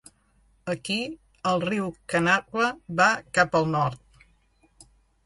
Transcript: Aquí, el riu Kanawha va cap al nord.